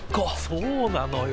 そうなのよ。